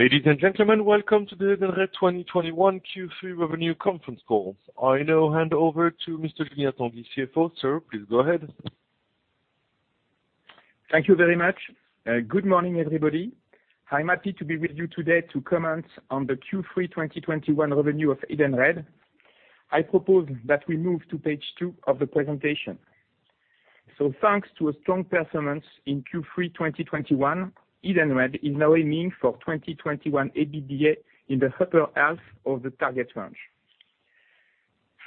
Ladies and gentlemen, welcome to the Edenred 2021 Q3 revenue conference call. I now hand over to Mr. Julien Tanguy, CFO. Sir, please go ahead. Thank you very much. Good morning, everybody. I'm happy to be with you today to comment on the Q3 2021 revenue of Edenred. I propose that we move to page two of the presentation. Thanks to a strong performance in Q3 2021, Edenred is now aiming for 2021 EBITDA in the upper half of the target range.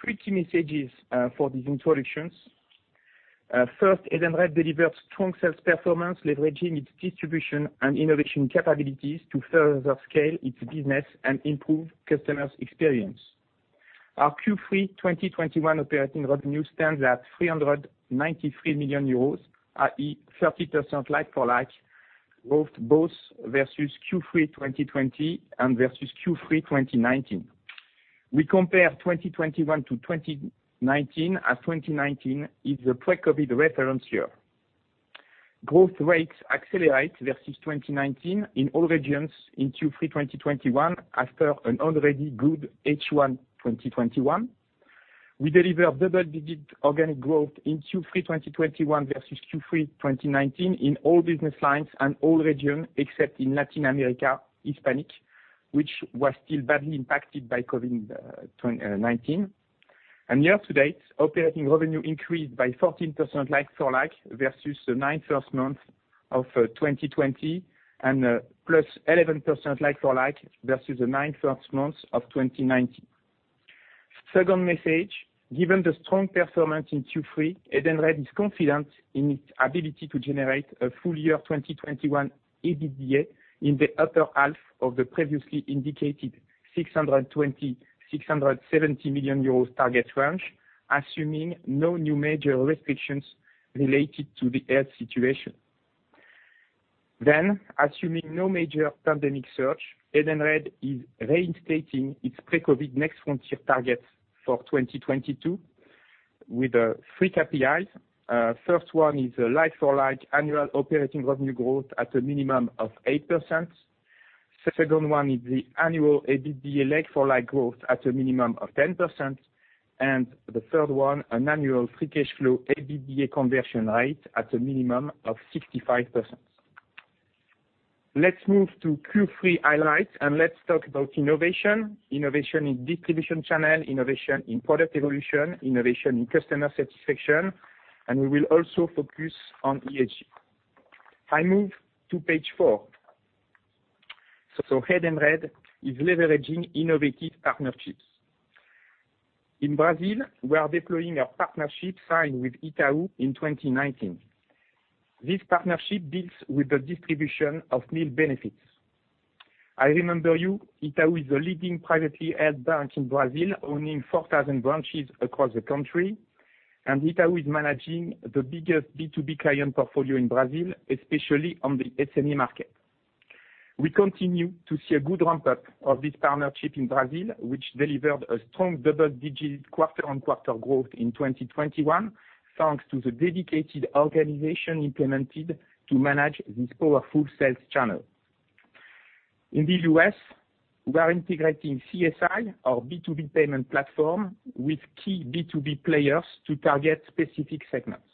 Three key messages for these introductions. First, Edenred delivers strong sales performance, leveraging its distribution and innovation capabilities to further scale its business and improve customers' experience. Our Q3 2021 operating revenue stands at 393 million euros, i.e., 30% like-for-like, both versus Q3 2020 and versus Q3 2019. We compare 2021 to 2019, as 2019 is the pre-COVID reference year. Growth rates accelerate versus 2019 in all regions in Q3 2021, after an already good H1 2021. We deliver double-digit organic growth in Q3 2021 versus Q3 2019 in all business lines and all regions, except in Latin America, Hispanic, which was still badly impacted by COVID-19. Year-to-date, operating revenue increased by 14% like-for-like versus the nine first months of 2020, and +11% like-for-like versus the nine first months of 2019. Second message, given the strong performance in Q3, Edenred is confident in its ability to generate a full year 2021 EBITDA in the upper half of the previously indicated 620 million-670 million euros target range, assuming no new major restrictions related to the health situation. Assuming no major pandemic surge, Edenred is reinstating its pre-COVID Next Frontier targets for 2022 with three KPIs. First one is like-for-like annual operating revenue growth at a minimum of 8%. Second one is the annual EBITDA like-for-like growth at a minimum of 10%. The third one, an annual free cash flow EBITDA conversion rate at a minimum of 65%. Let's move to Q3 highlights, and let's talk about innovation. Innovation in distribution channel, innovation in product evolution, innovation in customer satisfaction, and we will also focus on ESG. I move to page four. Edenred is leveraging innovative partnerships. In Brazil, we are deploying a partnership signed with Itaú in 2019. This partnership deals with the distribution of meal benefits. I remember you, Itaú is the leading privately held bank in Brazil, owning 4,000 branches across the country, and Itaú is managing the biggest B2B client portfolio in Brazil, especially on the SME market. We continue to see a good ramp-up of this partnership in Brazil, which delivered a strong double-digit quarter-on-quarter growth in 2021, thanks to the dedicated organization implemented to manage this powerful sales channel. In the U.S., we are integrating CSI, our B2B payment platform, with key B2B players to target specific segments.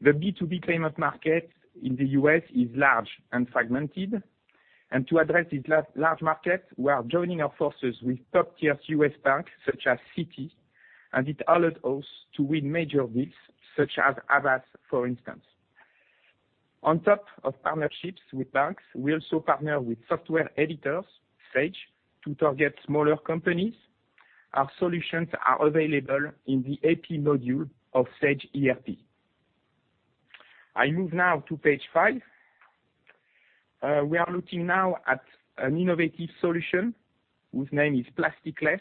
The B2B payment market in the U.S. is large and fragmented. To address this large market, we are joining our forces with top-tier U.S. banks such as Citi, and it allowed us to win major deals such as abas, for instance. On top of partnerships with banks, we also partner with software editors, Sage, to target smaller companies. Our solutions are available in the AP module of Sage ERP. I move now to page 5. We are looking now at an innovative solution whose name is Plasticless.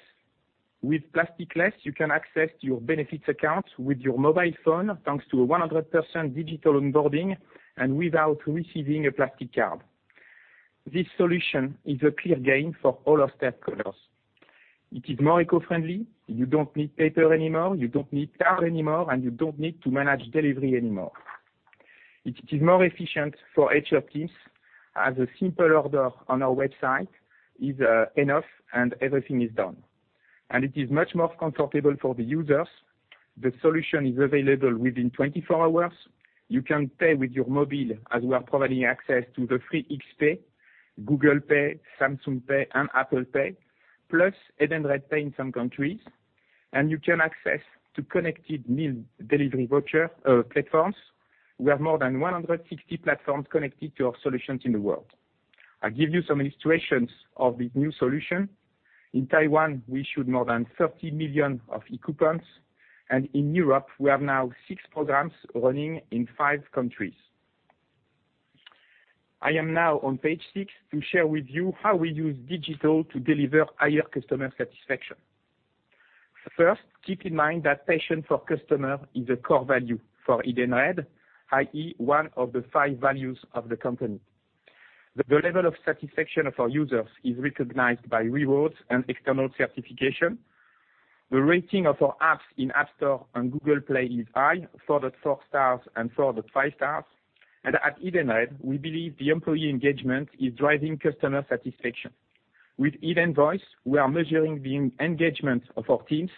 With Plasticless, you can access your benefits account with your mobile phone, thanks to 100% digital onboarding and without receiving a plastic card. This solution is a clear gain for all our stakeholders. It is more eco-friendly. You don't need paper anymore, you don't need card anymore, you don't need to manage delivery anymore. It is more efficient for HR teams, as a simple order on our website is enough, and everything is done. It is much more comfortable for the users. The solution is available within 24 hours. You can pay with your mobile, as we are providing access to the [FeePay], Google Pay, Samsung Pay, and Apple Pay, plus Edenred Pay in some countries. You can access to connected meal delivery voucher platforms. We have more than 160 platforms connected to our solutions in the world. I'll give you some illustrations of this new solution. In Taiwan, we issued more than 30 million of e-coupons. In Europe, we have now six programs running in five countries. I am now on page six to share with you how we use digital to deliver higher customer satisfaction. First, keep in mind that passion for customer is a core value for Edenred, i.e., one of the five values of the company. The level of satisfaction of our users is recognized by rewards and external certification. The rating of our apps in App Store and Google Play is high, 4.4 stars and 4.5 stars. At Edenred, we believe the employee engagement is driving customer satisfaction. With Edenvoice, we are measuring the engagement of our teams,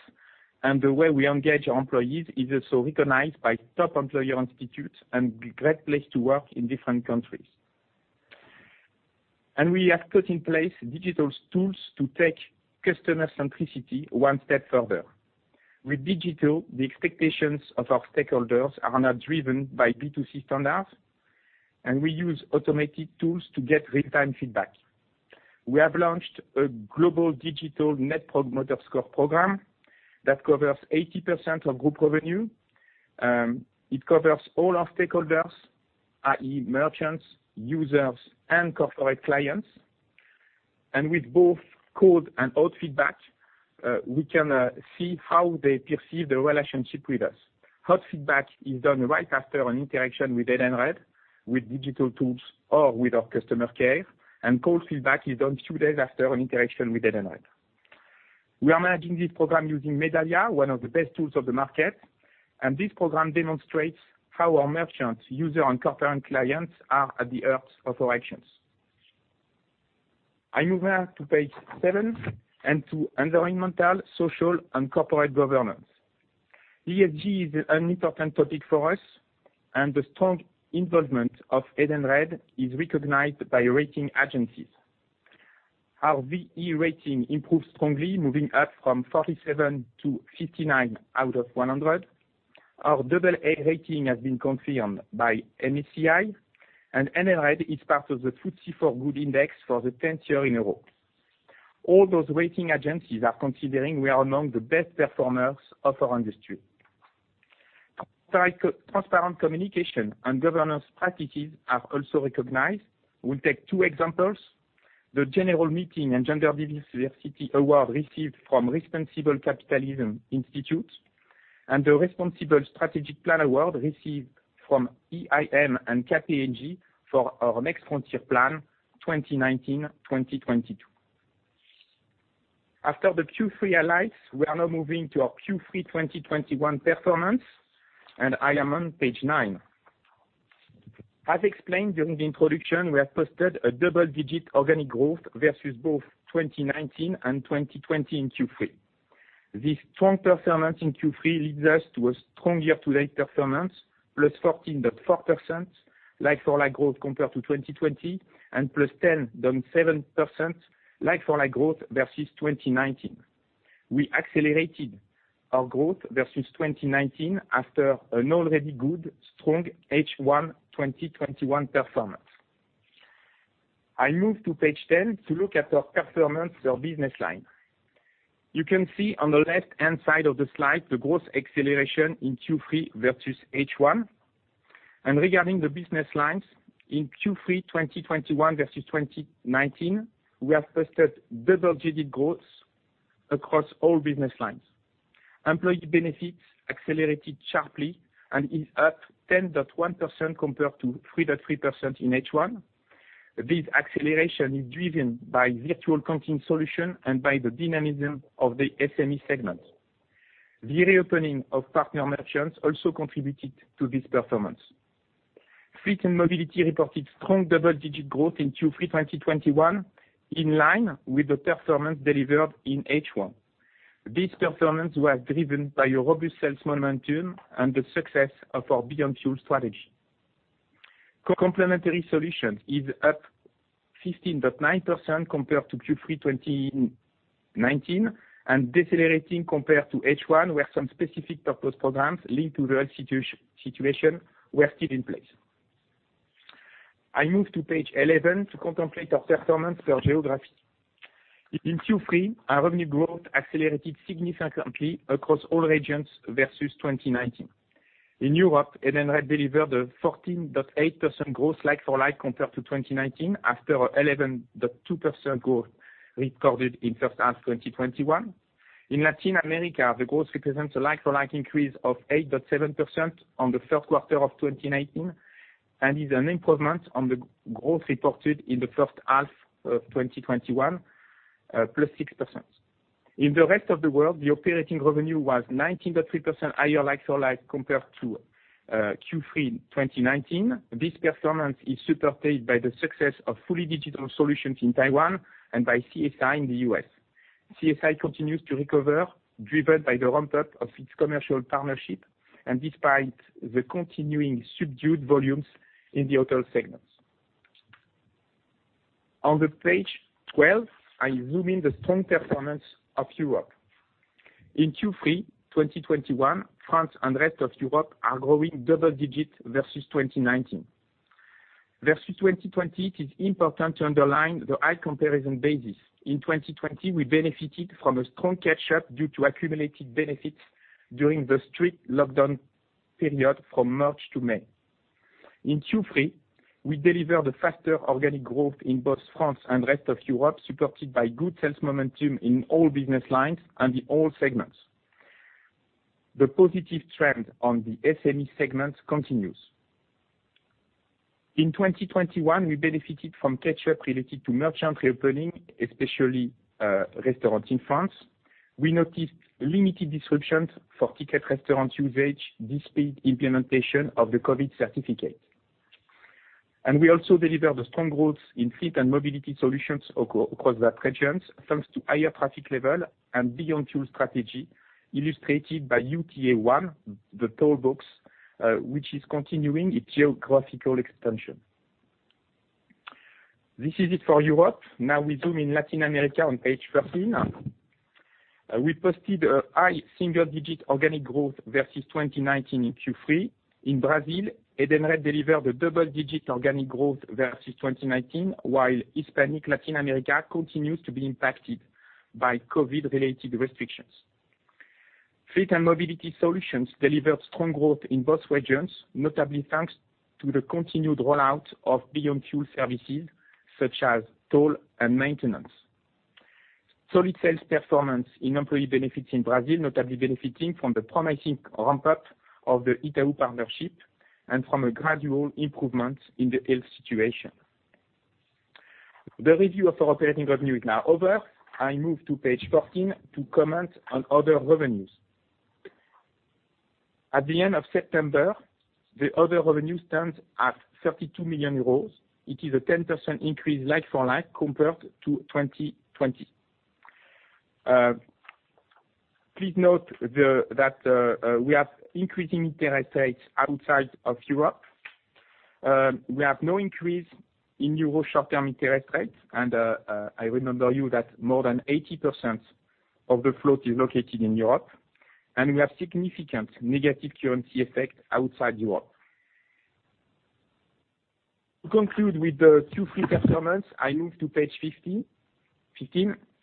and the way we engage our employees is also recognized by Top Employers Institute and Great Place to Work in different countries. We have put in place digital tools to take customer centricity one step further. With digital, the expectations of our stakeholders are now driven by B2C standards. We use automated tools to get real-time feedback. We have launched a global digital Net Promoter Score program that covers 80% of group revenue. It covers all our stakeholders, i.e., merchants, users, and corporate clients. With both cold and hot feedback, we can see how they perceive the relationship with us. Hot feedback is done right after an interaction with Edenred, with digital tools or with our customer care, and cold feedback is done two days after an interaction with Edenred. We are managing this program using Medallia, one of the best tools on the market. This program demonstrates how our merchants, user, and corporate clients are at the heart of our actions. I move now to page seven and to environmental, social, and corporate governance. ESG is an important topic for us, and the strong involvement of Edenred is recognized by rating agencies. Our V.E rating improved strongly, moving up from 47 to 59 out of 100. Our AA rating has been confirmed by MSCI, and Edenred is part of the FTSE4Good Index for the 10th year in a row. All those rating agencies are considering we are among the best performers of our industry. Transparent communication and governance practices are also recognized. We'll take two examples. The general meeting and gender diversity award received from Responsible Capitalism Institute and the responsible strategic plan award received from EIM and KPMG for our Next Frontier plan 2019-2022. After the Q3 highlights, we are now moving to our Q3 2021 performance, and I am on page nine. As explained during the introduction, we have posted a double-digit organic growth versus both 2019 and 2020 in Q3. This strong performance in Q3 leads us to a strong year-to-date performance, +14.4% like-for-like growth compared to 2020 and +10.7% like-for-like growth versus 2019. We accelerated our growth versus 2019 after an already good, strong H1 2021 performance. I move to page 10 to look at our performance per business line. You can see on the left-hand side of the slide the growth acceleration in Q3 versus H1. Regarding the business lines in Q3 2021 versus 2019, we have posted double-digit growth across all business lines. Employee Benefits accelerated sharply and is up 10.1% compared to 3.3% in H1. This acceleration is driven by virtual canteen solution and by the dynamism of the SME segment. The reopening of partner merchants also contributed to this performance. Fleet and Mobility reported strong double-digit growth in Q3 2021, in line with the performance delivered in H1. This performance was driven by a robust sales momentum and the success of our Beyond Fuel strategy. Complementary Solutions is up 15.9% compared to Q3 2019 and decelerating compared to H1, where some specific purpose programs linked to the old situation were still in place. I move to page 11 to contemplate our performance per geography. In Q3, our revenue growth accelerated significantly across all regions versus 2019. In Europe, Edenred delivered a 14.8% growth like-for-like compared to 2019 after 11.2% growth recorded in first half 2021. In Latin America, the growth represents a like-for-like increase of 8.7% on the first quarter of 2019 and is an improvement on the growth reported in the first half of 2021, +6%. In the rest of the world, the operating revenue was 19.3% higher like-for-like compared to Q3 2019. This performance is supported by the success of fully digital solutions in Taiwan and by CSI in the U.S. CSI continues to recover, driven by the ramp-up of its commercial partnership and despite the continuing subdued volumes in the hotel segments. On the page 12, I zoom in the strong performance of Europe. In Q3 2021, France and rest of Europe are growing double digits versus 2019. Versus 2020, it is important to underline the high comparison basis. In 2020, we benefited from a strong catch-up due to accumulated benefits during the strict lockdown period from March to May. In Q3, we delivered a faster organic growth in both France and rest of Europe, supported by good sales momentum in all business lines and in all segments. The positive trend on the SME segment continues. In 2021, we benefited from catch-up related to merchant reopening, especially restaurants in France. We noticed limited disruptions for Ticket Restaurant usage, despite implementation of the COVID certificate. We also delivered strong growth in Fleet and Mobility Solutions across our regions, thanks to higher traffic level and Beyond Fuel strategy, illustrated by UTA One, the toll box, which is continuing its geographical expansion. This is it for Europe. Now we zoom in Latin America on page 13. We posted a high single-digit organic growth versus 2019 in Q3. In Brazil, Edenred delivered a double-digit organic growth versus 2019, while Hispanic Latin America continues to be impacted by COVID-related restrictions. Fleet and Mobility Solutions delivered strong growth in both regions, notably thanks to the continued rollout of Beyond Fuel services, such as toll and maintenance. Solid sales performance in employee benefits in Brazil, notably benefiting from the promising ramp-up of the Itaú partnership and from a gradual improvement in the health situation. The review of our operating revenue is now over. I move to page 14 to comment on other revenues. At the end of September, the other revenue stands at 32 million euros. It is a 10% increase like-for-like compared to 2020. Please note that we have increasing interest rates outside of Europe. We have no increase in euro short-term interest rates, and I remind you that more than 80% of the float is located in Europe, and we have significant negative currency effect outside Europe. To conclude with the Q3 performance, I move to page 15.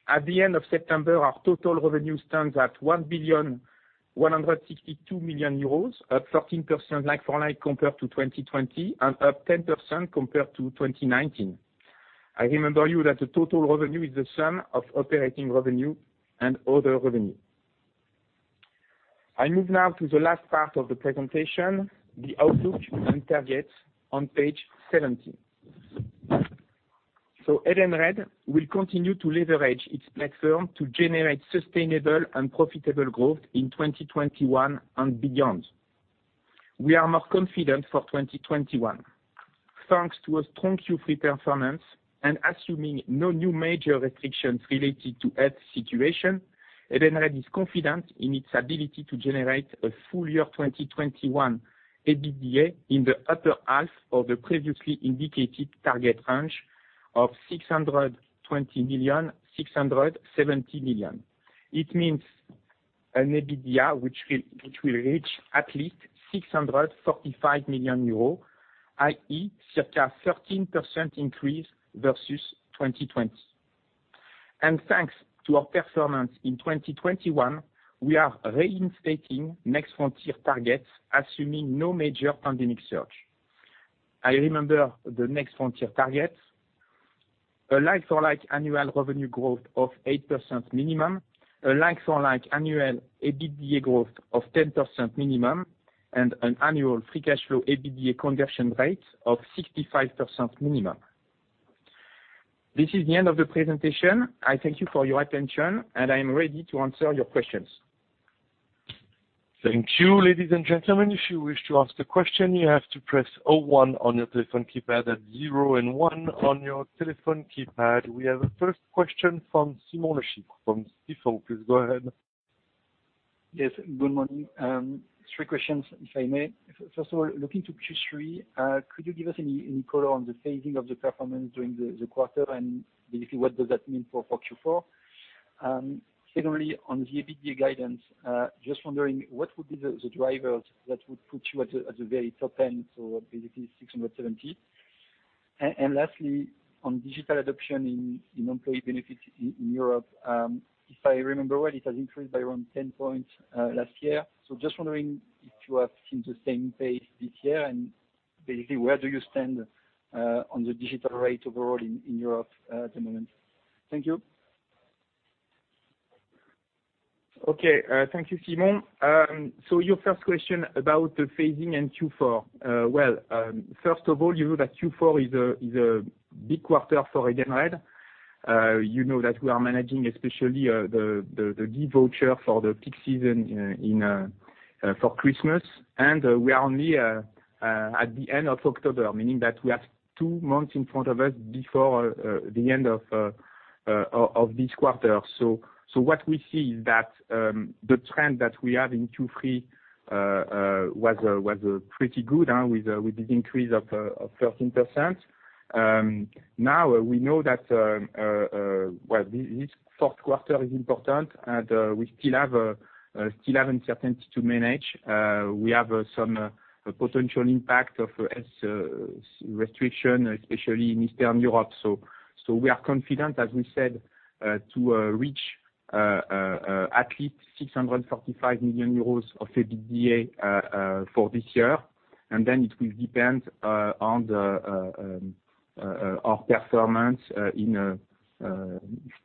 At the end of September, our total revenue stands at 1,162 million euros, up 13% like-for-like compared to 2020 and up 10% compared to 2019. I remind you that the total revenue is the sum of operating revenue and other revenue. I move now to the last part of the presentation, the outlook and targets on page 17. Edenred will continue to leverage its platform to generate sustainable and profitable growth in 2021 and beyond. We are more confident for 2021. Thanks to a strong Q3 performance and assuming no new major restrictions related to health situation, Edenred is confident in its ability to generate a full year 2021 EBITDA in the upper half of the previously indicated target range of 620 million-670 million. It means an EBITDA which will reach at least 645 million euros, i.e., circa 13% increase versus 2020. Thanks to our performance in 2021, we are reinstating Next Frontier targets, assuming no major pandemic surge. I remember the Next Frontier targets, a like-for-like annual revenue growth of 8% minimum, a like-for-like annual EBITDA growth of 10% minimum, and an annual free cash flow EBITDA conversion rate of 65% minimum. This is the end of the presentation. I thank you for your attention, and I am ready to answer your questions. Thank you. Ladies and gentlemen, if you wish to ask the question, you have to press zero one on your telephone keypad. That's zero and one on your telephone keypad. We have a first question from Simon Lechipre from Stifel. Please go ahead. Yes, good morning. three questions, if I may. First of all, looking to Q3, could you give us any color on the phasing of the performance during the quarter and basically what does that mean for Q4? Secondly, on the EBITDA guidance, just wondering what would be the drivers that would put you at the very top end, so basically 670 million? Lastly, on digital adoption in employee benefits in Europe. If I remember well, it has increased by around 10 points last year. Just wondering if you have seen the same pace this year, and basically where do you stand on the digital rate overall in Europe at the moment? Thank you. Okay, thank you, Simon. Your first question about the phasing in Q4. First of all, you know that Q4 is a big quarter for Edenred. You know that we are managing especially the e-voucher for the peak season for Christmas. We are only at the end of October, meaning that we have two months in front of us before the end of this quarter. What we see is that the trend that we have in Q3 was pretty good with the increase of 13%. Now we know that this fourth quarter is important, and we still have uncertainty to manage. We have some potential impact of health restriction, especially in Eastern Europe. We are confident, as we said, to reach at least 645 million euros of EBITDA for this year. It will depend on our performance in a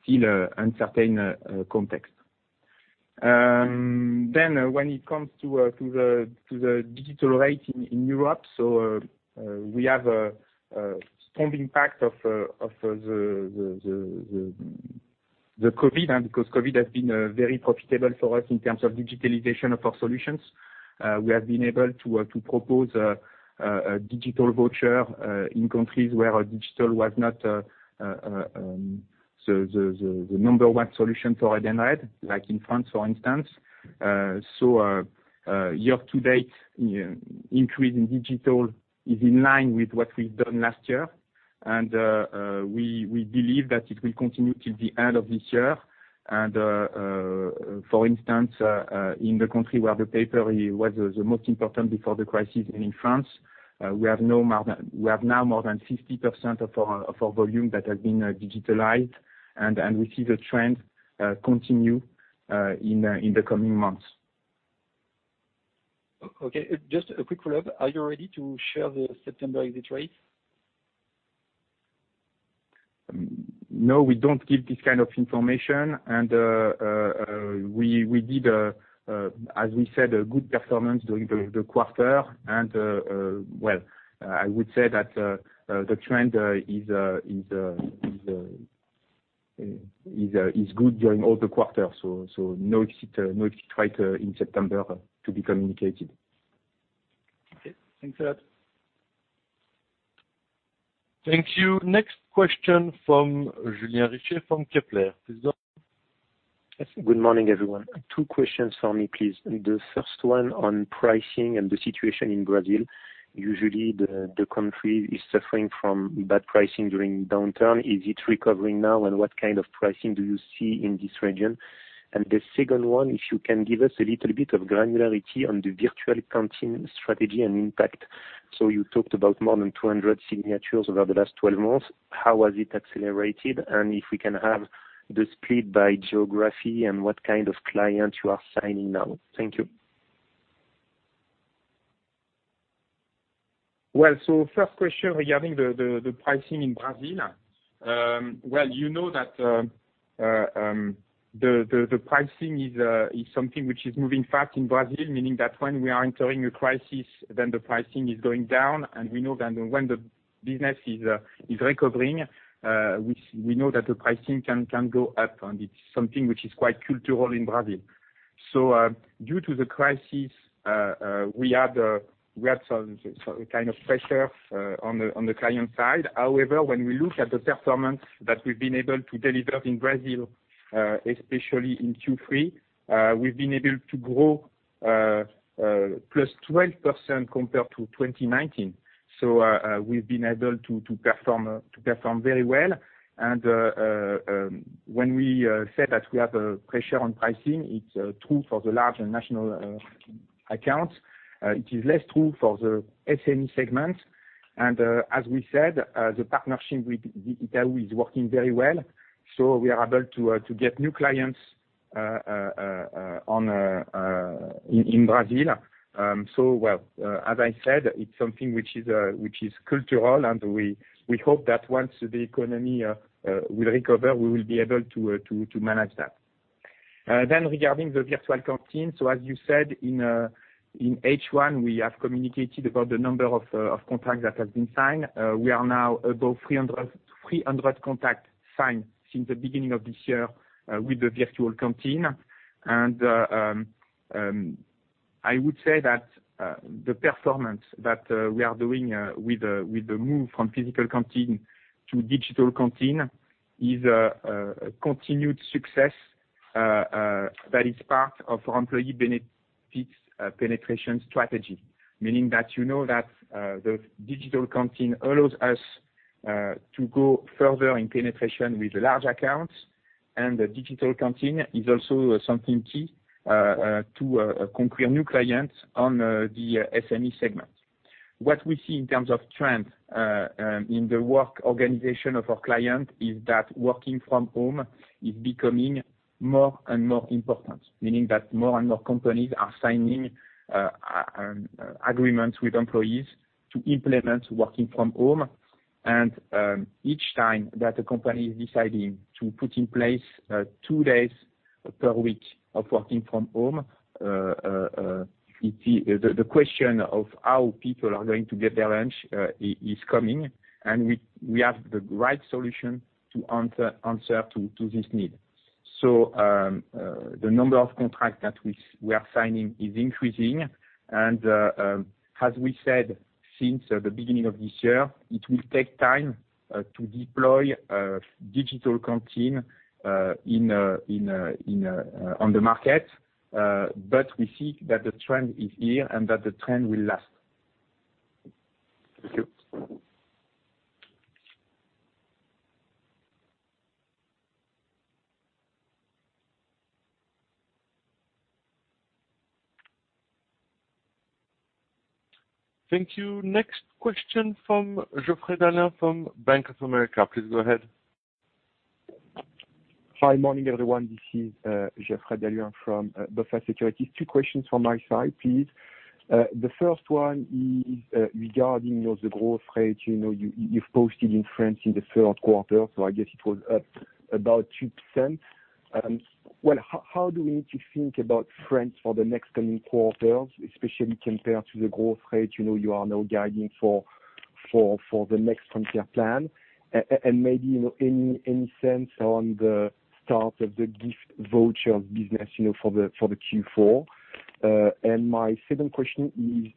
still uncertain context. When it comes to the digital rate in Europe, we have a strong impact of the COVID, because COVID has been very profitable for us in terms of digitalization of our solutions. We have been able to propose a digital voucher in countries where digital was not the number one solution for Edenred, like in France, for instance. Year to date, increase in digital is in line with what we've done last year, and we believe that it will continue till the end of this year. For instance, in the country where the paper was the most important before the crisis and in France, we have now more than 50% of our volume that has been digitalized, and we see the trend continue in the coming months. Okay, just a quick follow-up. Are you ready to share the September exit rates? No, we don't give this kind of information, and we did, as we said, a good performance during the quarter, and well, I would say that the trend is good during all the quarters. No exit rate in September to be communicated. Okay. Thanks a lot. Thank you. Next question from Julien Richer from Kepler. Please go on. Good morning, everyone. Two questions for me, please. The first one on pricing and the situation in Brazil. Usually the country is suffering from bad pricing during downturn. Is it recovering now, and what kind of pricing do you see in this region? The second one, if you can give us a little bit of granularity on the virtual canteen strategy and impact. You talked about more than 200 signatures over the last 12 months. How was it accelerated, and if we can have the split by geography and what kind of clients you are signing now. Thank you. First question regarding the pricing in Brazil. You know that the pricing is something which is moving fast in Brazil, meaning that when we are entering a crisis, then the pricing is going down. We know that when the business is recovering, we know that the pricing can go up, and it's something which is quite cultural in Brazil. Due to the crisis, we had some kind of pressure on the client side. However, when we look at the performance that we've been able to deliver in Brazil, especially in Q3, we've been able to grow +12% compared to 2019. We've been able to perform very well. When we say that we have a pressure on pricing, it's true for the large and national accounts. It is less true for the SME segment. As we said, the partnership with Itaú is working very well. We are able to get new clients in Brazil. Well, as I said, it's something which is cultural, and we hope that once the economy will recover, we will be able to manage that. Regarding the virtual canteen, so as you said in H1, we have communicated about the number of contracts that have been signed. We are now above 300 contracts signed since the beginning of this year with the virtual canteen. I would say that the performance that we are doing with the move from physical canteen to digital canteen is a continued success that is part of our employee benefits penetration strategy, meaning that you know that the digital canteen allows us to go further in penetration with large accounts, and the digital canteen is also something key to conquer new clients on the SME segment. What we see in terms of trend in the work organization of our client is that working from home is becoming more and more important, meaning that more and more companies are signing agreements with employees to implement working from home. Each time that a company is deciding to put in place two days per week of working from home, the question of how people are going to get their lunch is coming, and we have the right solution to answer to this need. The number of contracts that we are signing is increasing. As we said since the beginning of this year, it will take time to deploy digital canteen on the market. We see that the trend is here and that the trend will last. Thank you. Thank you. Next question from Geoffrey d'Halluin from Bank of America. Please go ahead. Hi. Morning, everyone. This is Geoffrey D'Alluin from BofA Securities. Two questions from my side, please. The first one is regarding the growth rate you've posted in France in the third quarter, so I guess it was up about 2%. How do we need to think about France for the next coming quarters, especially compared to the growth rate you are now guiding for the Next Frontier Plan? Maybe any sense on the start of the gift voucher business, for the Q4? My second question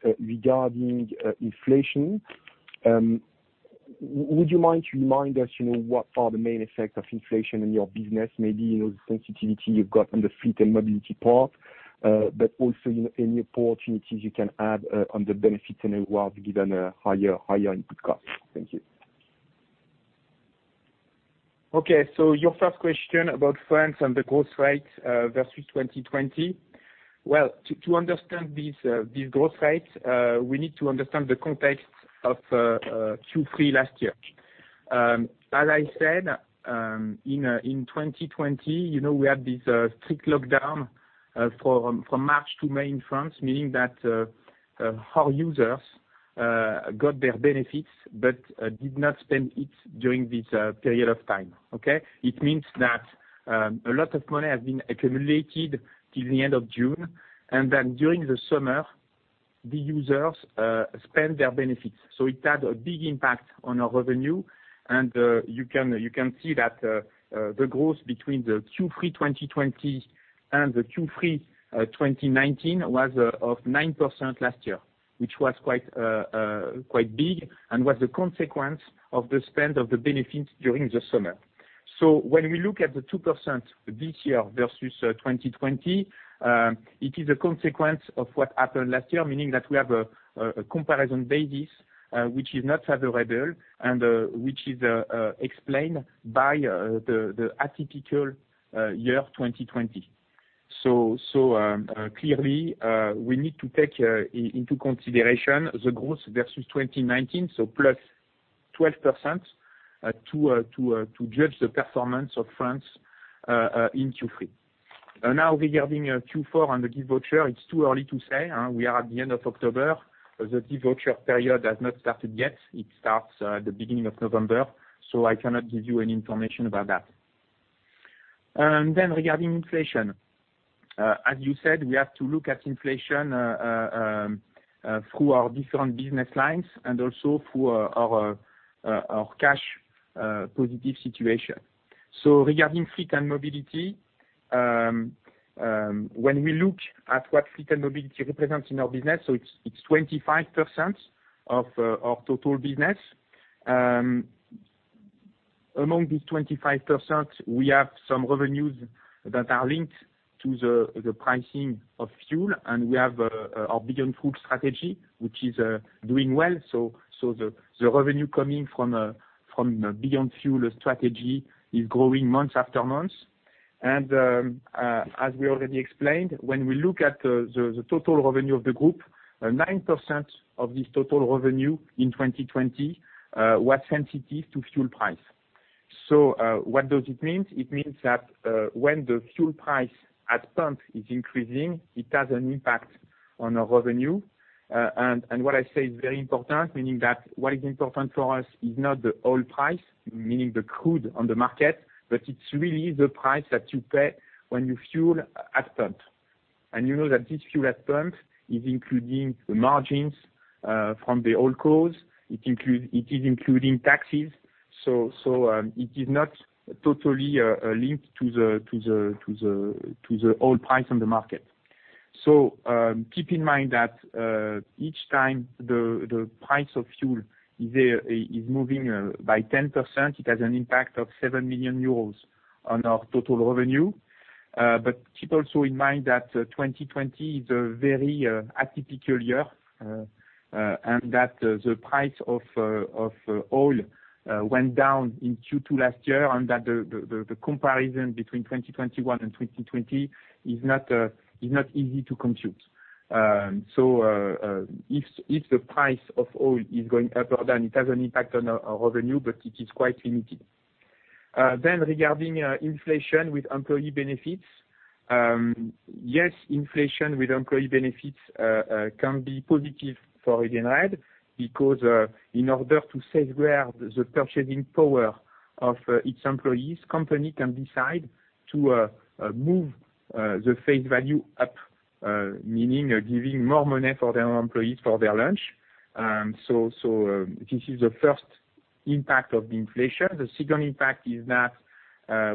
is regarding inflation. Would you mind to remind us what are the main effects of inflation in your business, maybe the sensitivity you've got on the Fleet & Mobility part, but also any opportunities you can add on the benefits and reward given a higher input cost. Thank you. Okay. Your first question about France and the growth rate versus 2020. To understand this growth rate, we need to understand the context of Q3 last year. As I said, in 2020, we had this strict lockdown from March to May in France, meaning that our users got their benefits but did not spend it during this period of time. Okay. It means that a lot of money has been accumulated till the end of June, and then during the summer, the users spend their benefits. It had a big impact on our revenue, and you can see that the growth between the Q3 2020 and the Q3 2019 was of 9% last year, which was quite big and was a consequence of the spend of the benefits during the summer. When we look at the 2% this year versus 2020, it is a consequence of what happened last year, meaning that we have a comparison basis, which is not favorable and, which is explained by the atypical year 2020. Clearly, we need to take into consideration the growth versus 2019, so +12%, to judge the performance of France in Q3. Regarding Q4 on the gift voucher, it's too early to say. We are at the end of October. The gift voucher period has not started yet. It starts at the beginning of November. I cannot give you any information about that. Regarding inflation, as you said, we have to look at inflation through our different business lines and also through our cash positive situation. Regarding Fleet & Mobility, when we look at what Fleet & Mobility represents in our business, it's 25% of our total business. Among this 25%, we have some revenues that are linked to the pricing of fuel, we have our Beyond Fuel strategy, which is doing well. The revenue coming from Beyond Fuel strategy is growing month after month. As we already explained, when we look at the total revenue of the group, 9% of this total revenue in 2020 was sensitive to fuel price. What does it mean? It means that when the fuel price at pump is increasing, it has an impact on our revenue. What I say is very important, meaning that what is important for us is not the oil price, meaning the crude on the market, but it's really the price that you pay when you fuel at pump. You know that this fuel at pump is including the margins from the oil companies. It is including taxes, so it is not totally linked to the oil price on the market. Keep in mind that each time the price of fuel is moving by 10%, it has an impact of 7 million euros on our total revenue. Keep also in mind that 2020 is a very atypical year, and that the price of oil went down in Q2 last year, and that the comparison between 2021 and 2020 is not easy to compute. If the price of oil is going upward, then it has an impact on our revenue, but it is quite limited. Regarding inflation with employee benefits. Yes, inflation with employee benefits can be positive for Edenred because in order to safeguard the purchasing power of its employees, company can decide to move the face value up, meaning giving more money for their employees for their lunch. This is the first impact of the inflation. The second impact is that,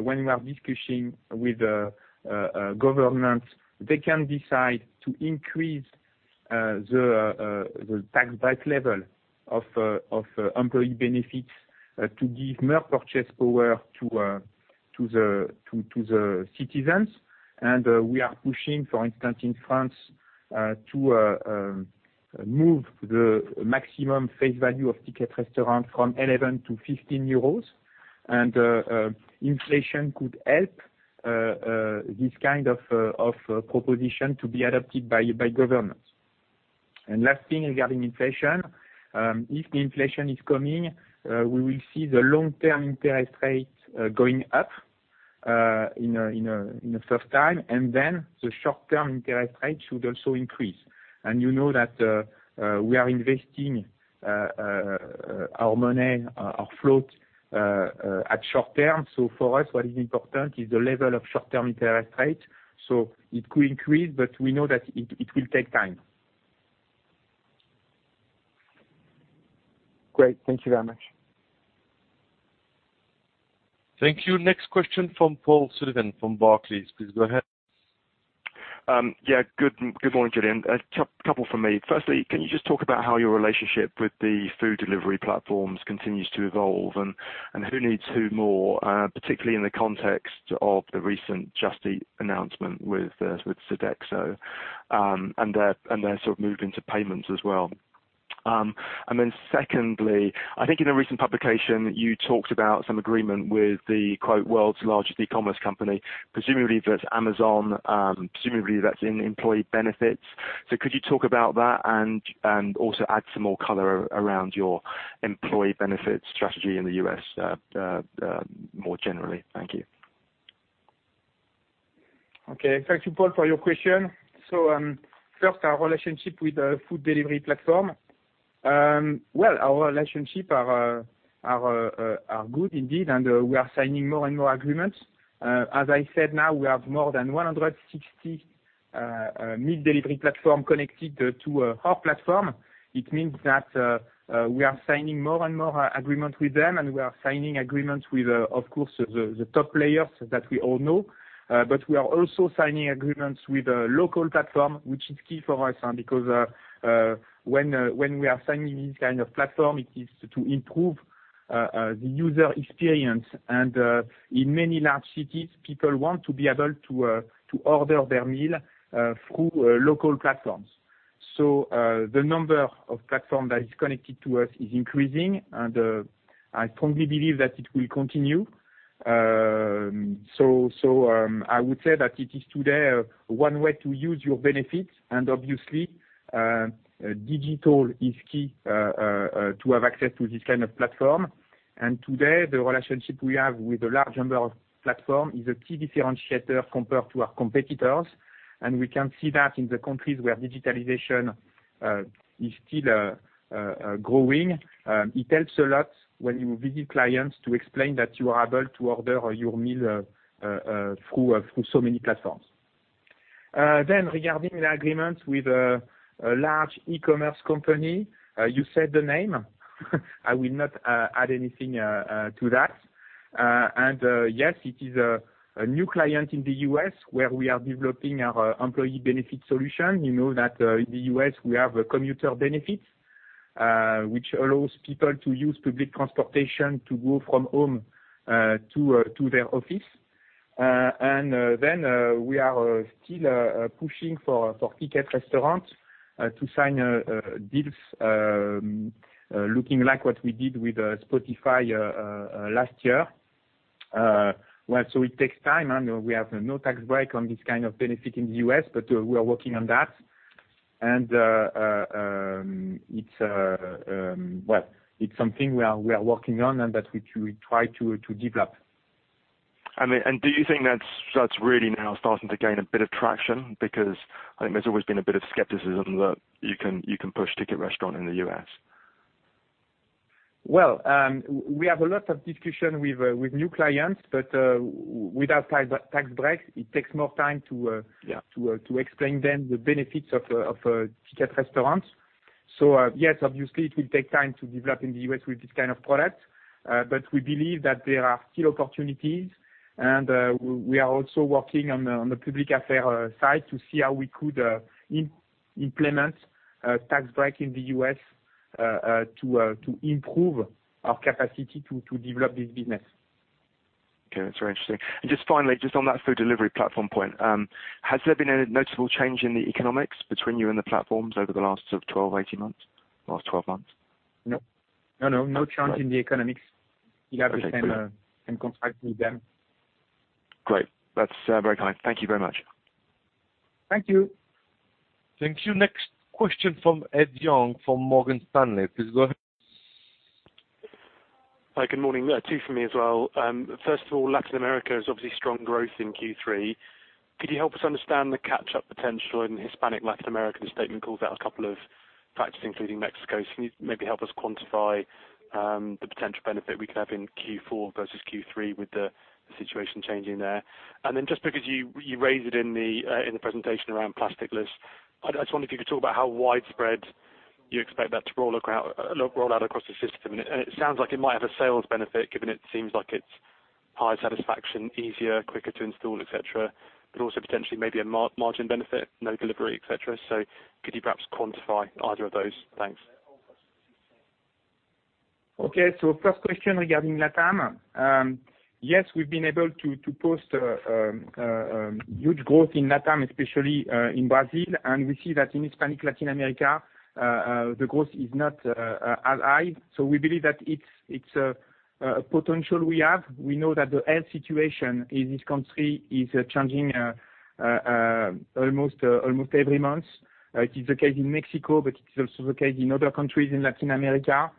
when we are discussing with governments, they can decide to increase the tax back level of employee benefits to give more purchase power to the citizens. We are pushing, for instance, in France, to move the maximum face value of Ticket Restaurant from 11-15 euros. Inflation could help this kind of proposition to be adopted by governments. Last thing regarding inflation. If the inflation is coming, we will see the long-term interest rate going up in the first time, then the short-term interest rate should also increase. You know that we are investing our money, our float at short-term. For us, what is important is the level of short-term interest rate. It will increase, we know that it will take time. Great. Thank you very much. Thank you. Next question from Paul Sullivan from Barclays. Please go ahead. Good morning, Julien. A couple from me. Firstly, can you just talk about how your relationship with the food delivery platforms continues to evolve and who needs who more, particularly in the context of the recent Just Eat announcement with Sodexo, and their sort of move into payments as well? Secondly, I think in a recent publication, you talked about some agreement with the quote, "world's largest e-commerce company." Presumably that's Amazon, and presumably that's in employee benefits. Could you talk about that and also add some more color around your employee benefits strategy in the U.S. more generally? Thank you. Thank you, Paul, for your question. First, our relationship with the food delivery platform. Well, our relationships are good indeed, and we are signing more and more agreements. As I said, now we have more than 160 meal delivery platforms connected to our platform. It means that we are signing more and more agreements with them, and we are signing agreements with, of course, the top players that we all know. We are also signing agreements with a local platform, which is key for us. Because when we are signing this kind of platform, it is to improve the user experience. In many large cities, people want to be able to order their meal through local platforms. The number of platforms that are connected to us is increasing, and I strongly believe that it will continue. I would say that it is today one way to use your benefits. Obviously, digital is key to have access to this kind of platform. Today, the relationship we have with a large number of platform is a key differentiator compared to our competitors. We can see that in the countries where digitalization is still growing. It helps a lot when you visit clients to explain that you are able to order your meal through so many platforms. Regarding the agreement with a large e-commerce company, you said the name. I will not add anything to that. Yes, it is a new client in the U.S. where we are developing our employee benefit solution. You know that in the U.S. we have a commuter benefits, which allows people to use public transportation to go from home to their office. We are still pushing for Ticket Restaurant to sign deals looking like what we did with Spotify last year. It takes time, and we have no tax break on this kind of benefit in the U.S., but we are working on that. It's something we are working on and that we try to develop. Do you think that's really now starting to gain a bit of traction? I think there's always been a bit of skepticism that you can push Ticket Restaurant in the U.S. Well, we have a lot of discussion with new clients, but without tax breaks, it takes more time. Yeah to explain them the benefits of Ticket Restaurant. Yes, obviously it will take time to develop in the U.S. with this kind of product. We believe that there are still opportunities, and we are also working on the public affair side to see how we could implement tax break in the U.S. to improve our capacity to develop this business. Okay. That's very interesting. Just finally, just on that food delivery platform point, has there been any noticeable change in the economics between you and the platforms over the last sort of 12, 18 months? Last 12 months? No. No change in the economics. Okay. Fair enough. We have the same contract with them. Great. That's very kind. Thank you very much. Thank you. Thank you. Next question from Ed Young, from Morgan Stanley. Please go ahead. Hi. Good morning. Two from me as well. Latin America is obviously strong growth in Q3. Could you help us understand the catch-up potential in Hispanic Latin America? The statement called out a couple of factors, including Mexico. Can you maybe help us quantify the potential benefit we could have in Q4 versus Q3 with the situation changing there? Just because you raised it in the presentation around Plasticless, I just wonder if you could talk about how widespread you expect that to roll out across the system. It sounds like it might have a sales benefit, given it seems like it's higher satisfaction, easier, quicker to install, et cetera, but also potentially maybe a margin benefit, no delivery, et cetera. Could you perhaps quantify either of those? Thanks. Okay. First question regarding LATAM. Yes, we've been able to post huge growth in LATAM, especially in Brazil. We see that in Hispanic Latin America, the growth is not as high. We believe that it's a potential we have. We know that the health situation in this country is changing almost every month. It is the case in Mexico, but it is also the case in other countries in Latin America.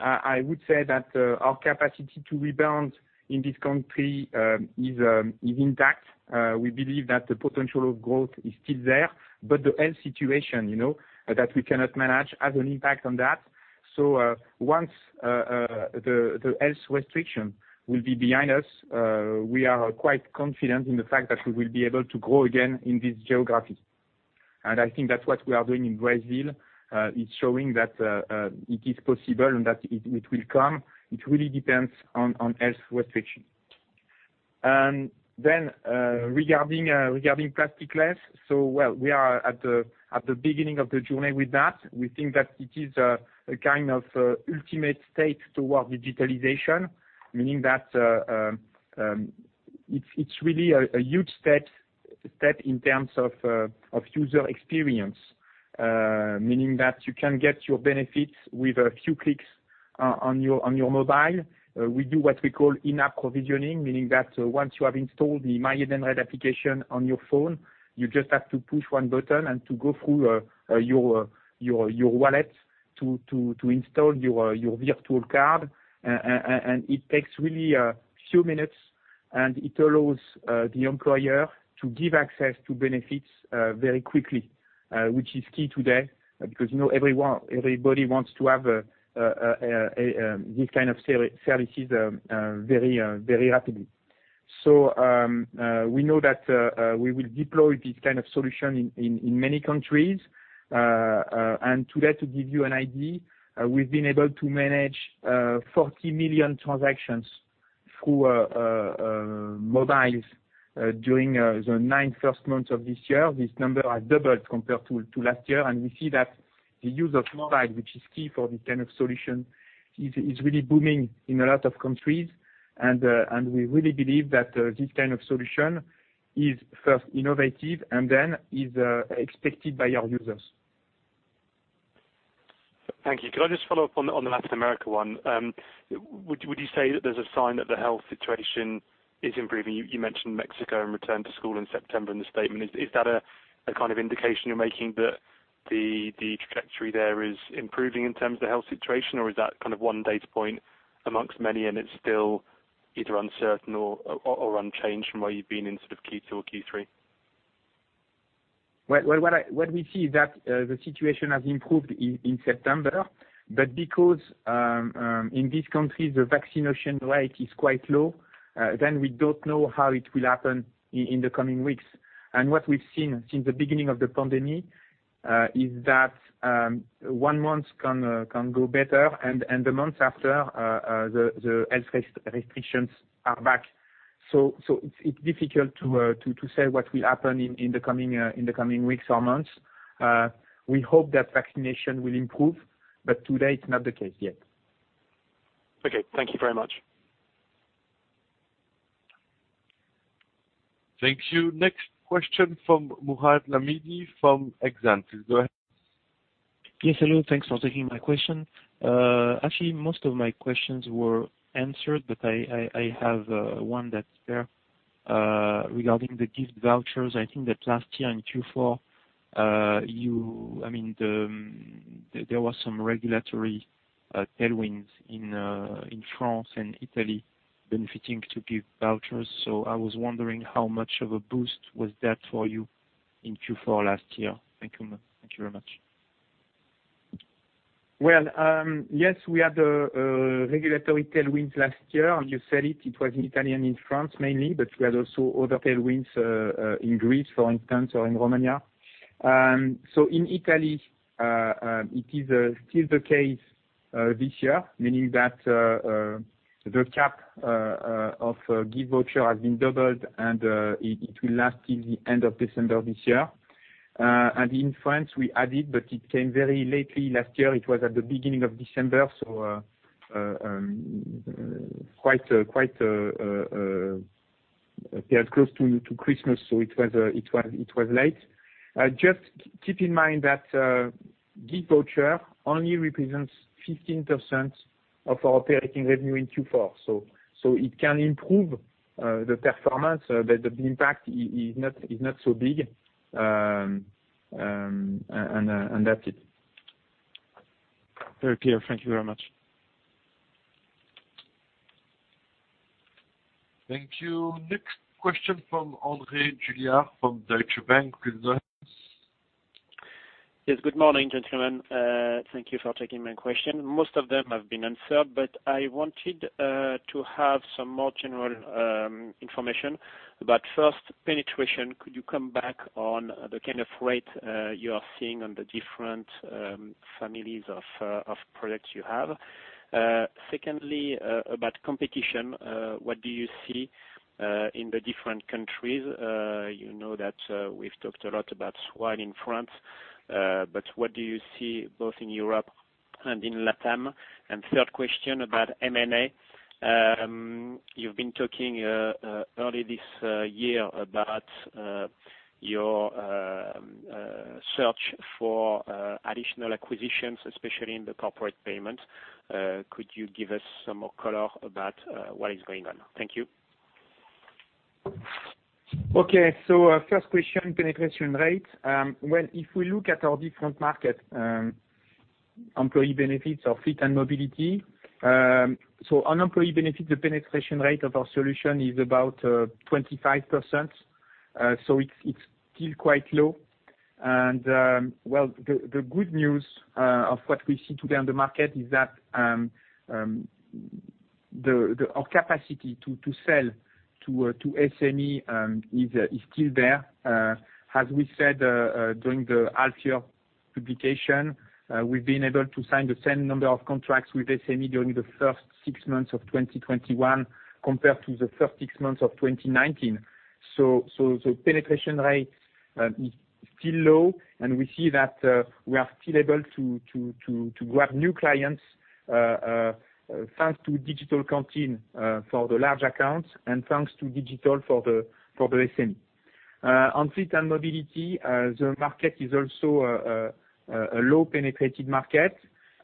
I would say that our capacity to rebound in this country is intact. We believe that the potential of growth is still there, but the health situation that we cannot manage has an impact on that. Once the health restriction will be behind us, we are quite confident in the fact that we will be able to grow again in this geography. I think that's what we are doing in Brazil. It's showing that it is possible and that it will come. It really depends on health restriction. Regarding Plasticless, so well, we are at the beginning of the journey with that. We think that it is a kind of ultimate state toward digitalization, meaning that it's really a huge step in terms of user experience, meaning that you can get your benefits with a few clicks on your mobile. We do what we call in-app provisioning, meaning that once you have installed the MyEdenred application on your phone, you just have to push one button and to go through your wallet to install your virtual card. It takes really a few minutes, and it allows the employer to give access to benefits very quickly, which is key today because everybody wants to have these kind of services very rapidly. We know that we will deploy this kind of solution in many countries. Today to give you an idea, we've been able to manage 40 million transactions through mobiles during the nine first months of this year. This number has doubled compared to last year. We see that the use of mobile, which is key for this kind of solution, is really booming in a lot of countries. We really believe that this kind of solution is first innovative and then is expected by our users. Thank you. Could I just follow up on the Latin America one? Would you say that there is a sign that the health situation is improving? You mentioned Mexico and return to school in September in the statement. Is that a kind of indication you are making that the trajectory there is improving in terms of the health situation, or is that kind of one data point among many, and it is still either uncertain or unchanged from where you have been in sort of Q2 or Q3? What we see is that the situation has improved in September, but because in this country the vaccination rate is quite low, then we don't know how it will happen in the coming weeks. What we've seen since the beginning of the pandemic is that one month can go better and the month after, the health restrictions are back. It's difficult to say what will happen in the coming weeks or months. We hope that vaccination will improve, but today it's not the case yet. Okay. Thank you very much. Thank you. Next question from Mourad Lahmidi from Exane. Please go ahead. Yes, hello. Thanks for taking my question. Most of my questions were answered. I have one that's there regarding the gift vouchers. I think that last year in Q4, there was some regulatory tailwinds in France and Italy benefiting to gift vouchers. I was wondering how much of a boost was that for you in Q4 last year. Thank you very much. Well, yes, we had the regulatory tailwind last year. You said it was in Italy and in France mainly, but we had also other tailwinds in Greece, for instance, or in Romania. In Italy, it is still the case this year, meaning that the cap of gift voucher has been doubled, and it will last till the end of December this year. In France, we added, but it came very lately last year. It was at the beginning of December, so quite close to Christmas, so it was late. Just keep in mind that gift voucher only represents 15% of our operating revenue in Q4. It can improve the performance, but the impact is not so big. That's it. Very clear. Thank you very much. Thank you. Next question from André Juillard from Deutsche Bank. Please go ahead. Yes. Good morning, gentlemen. Thank you for taking my question. Most of them have been answered, but I wanted to have some more general information. First, penetration, could you come back on the kind of rate you are seeing on the different families of products you have? Secondly, about competition, what do you see in the different countries? You know that we've talked a lot about Swile in France. What do you see both in Europe and in LATAM? Third question about M&A. You've been talking early this year about your search for additional acquisitions, especially in the corporate payment. Could you give us some more color about what is going on? Thank you. Okay. First question, penetration rate. Well, if we look at our different market, employee benefits or fleet and mobility. On employee benefits, the penetration rate of our solution is about 25%. It is still quite low. And well, the good news of what we see today on the market is that our capacity to sell to SME is still there. As we said during the half-year publication, we have been able to sign the same number of contracts with SME during the first six months of 2021 compared to the first six months of 2019. The penetration rate is still low, and we see that we are still able to grab new clients, thanks to digital canteen for the large accounts and thanks to digital for the SME. On fleet and mobility, the market is also a low-penetrated market.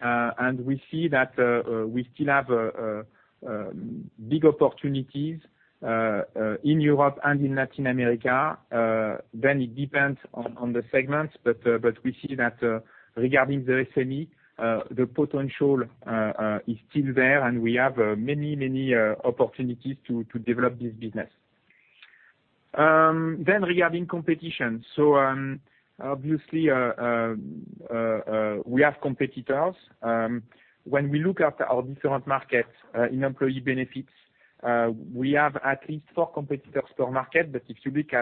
We see that we still have big opportunities in Europe and in Latin America. It depends on the segment, but we see that regarding the SME, the potential is still there, and we have many opportunities to develop this business. Regarding competition, obviously we have competitors. When we look at our different markets in employee benefits, we have at least four competitors per market. If you look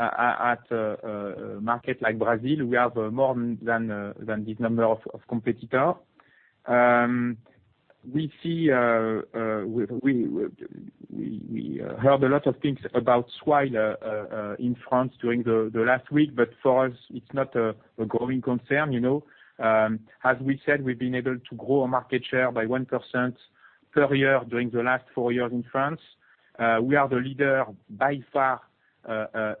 at a market like Brazil, we have more than this number of competitors. We heard a lot of things about Swile in France during the last week, but for us, it's not a growing concern. As we said, we've been able to grow our market share by 1% per year during the last four years in France. We are the leader by far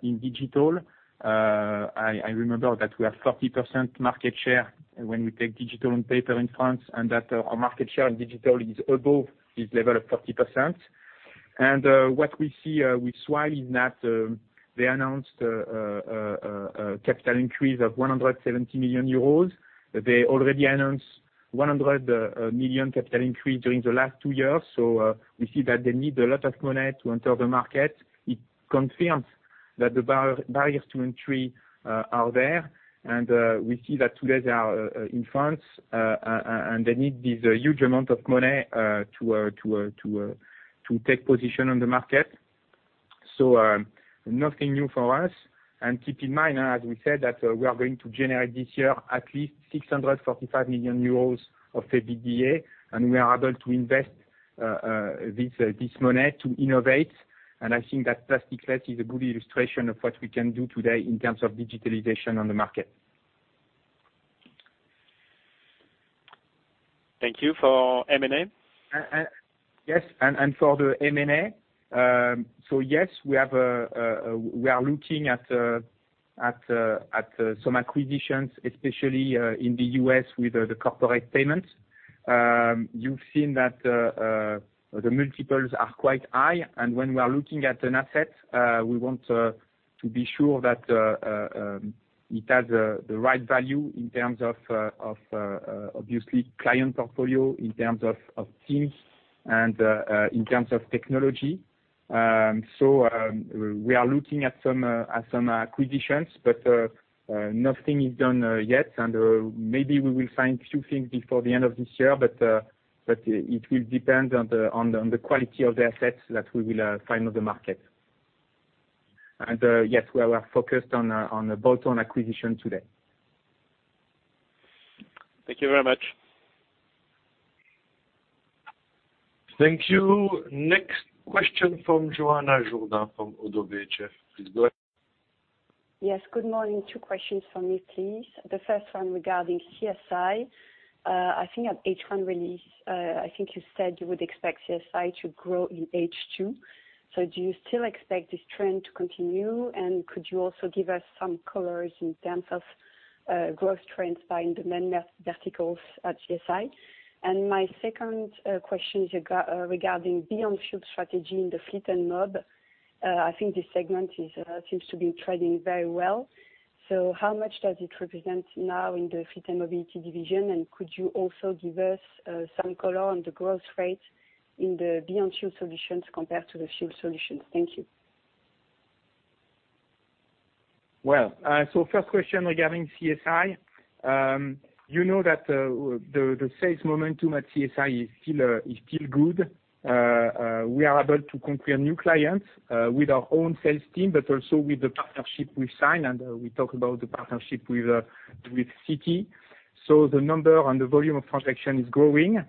in digital. I remember that we have 40% market share when we take digital and paper in France, and that our market share in digital is above this level of 40%. What we see with Swile is that they announced a capital increase of 170 million euros. They already announced 100 million capital increase during the last two years. We see that they need a lot of money to enter the market. It confirms that the barriers to entry are there. We see that today they are in France, and they need this huge amount of money to take position on the market. Nothing new for us. Keep in mind, as we said, that we are going to generate this year at least 645 million euros of EBITDA, and we are able to invest this money to innovate. I think that Plasticless is a good illustration of what we can do today in terms of digitalization on the market. Thank you for M&A? Yes. For the M&A, yes, we are looking at some acquisitions, especially in the U.S. with the corporate payments. You've seen that the multiples are quite high. When we are looking at an asset, we want to be sure that it has the right value in terms of, obviously client portfolio, in terms of teams and in terms of technology. We are looking at some acquisitions. Nothing is done yet. Maybe we will sign a few things before the end of this year. It will depend on the quality of the assets that we will find on the market. Yes, we are focused on a bolt-on acquisition today. Thank you very much. Thank you. Next question from Johanna Jourdain from Oddo BHF. Please go ahead. Yes, good morning. two questions from me, please. The first one regarding CSI. I think at H1 release, I think you said you would expect CSI to grow in H2. Do you still expect this trend to continue? Could you also give us some color in terms of growth trends by the main verticals at CSI? My second question is regarding Beyond Fuel strategy in the Fleet and Mob. I think this segment seems to be trading very well. How much does it represent now in the Fleet and Mobility division? Could you also give us some color on the growth rate in the Beyond Fuel solutions compared to the fuel solutions? Thank you. First question regarding CSI. You know that the sales momentum at CSI is still good. We are able to conquer new clients with our own sales team, but also with the partnership we signed, and we talk about the partnership with Citi. The number and the volume of transaction is growing.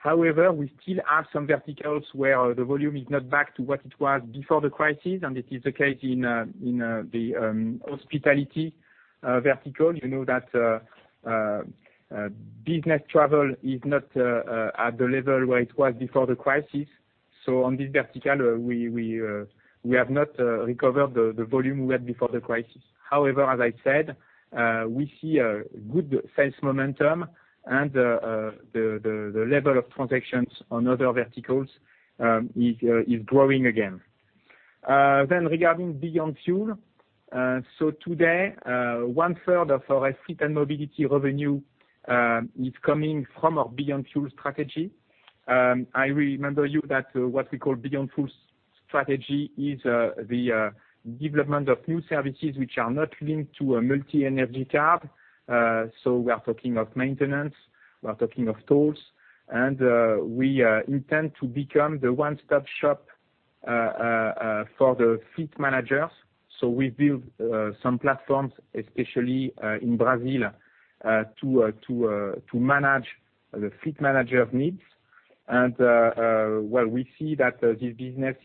However, we still have some verticals where the volume is not back to what it was before the crisis, and this is the case in the hospitality vertical. You know that business travel is not at the level where it was before the crisis. On this vertical, we have not recovered the volume we had before the crisis. However, as I said, we see a good sales momentum and the level of transactions on other verticals is growing again. Regarding Beyond Fuel. Today, 1/3 of our Fleet & Mobility revenue is coming from our Beyond Fuel strategy. I remember you that what we call Beyond Fuel strategy is the development of new services which are not linked to a multi-energy tab. We are talking of maintenance, we are talking of tolls. We intend to become the one-stop shop for the fleet managers. We build some platforms, especially in Brazil, to manage the fleet manager needs. Well, we see that this business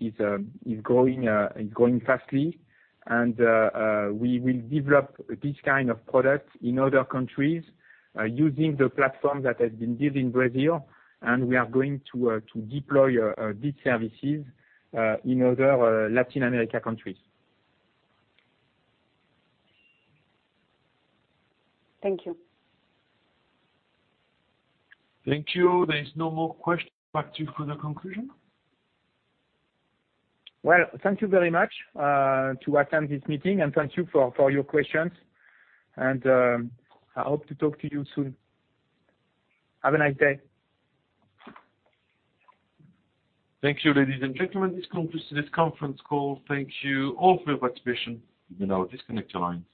is growing fastly. We will develop this kind of product in other countries using the platform that has been built in Brazil. We are going to deploy these services in other Latin America countries. Thank you. Thank you. There is no more question. Back to you for the conclusion. Well, thank you very much to attend this meeting, and thank you for your questions. I hope to talk to you soon. Have a nice day. Thank you, ladies and gentlemen. This concludes today's conference call. Thank you all for your participation. You may now disconnect your lines.